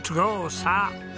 さあ。